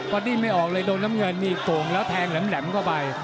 ก็ดิ้นไม่ออกเลยโดนน้ำเงินนี่โก่งแล้วแทงแหลมเข้าไป